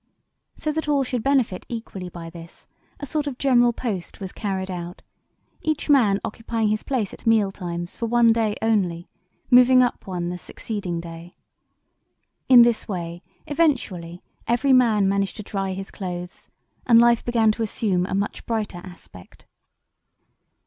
So that all should benefit equally by this, a sort of "General Post" was carried out, each man occupying his place at meal times for one day only, moving up one the succeeding day. In this way eventually every man managed to dry his clothes, and life began to assume a much brighter aspect.